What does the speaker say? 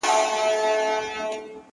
که عادت سي یو ځل خوله په بد ویلو -